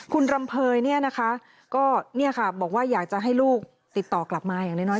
คุณรำเภยบอกว่าอยากจะให้ลูกติดต่อกลับมาอย่างน้อย